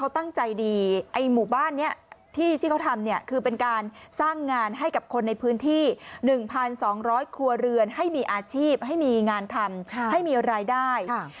อาชีพให้มีงานทำให้มีรายได้